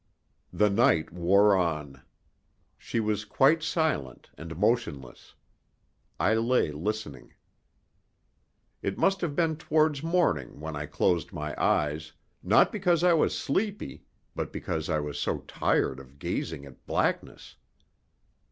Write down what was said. The night wore on. She was quite silent and motionless. I lay listening. It must have been towards morning when I closed my eyes, not because I was sleepy, but because I was so tired of gazing at blackness.